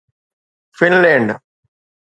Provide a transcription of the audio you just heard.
Finland